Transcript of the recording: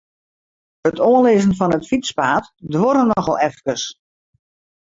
It oanlizzen fan it fytspaad duorre noch wol efkes.